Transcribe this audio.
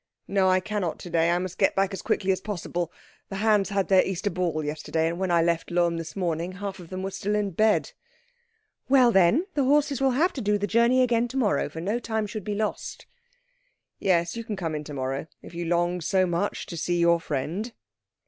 "No, I cannot to day. I must get back as quickly as possible. The hands had their Easter ball yesterday, and when I left Lohm this morning half of them were still in bed." "Well, then, the horses will have to do the journey again to morrow, for no time should be lost." "Yes, you can come in to morrow, if you long so much to see your friend."